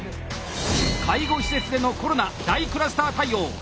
介護施設でのコロナ・大クラスター対応。